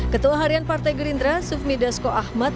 ketua harian partai gerindra sufmi dasko ahmad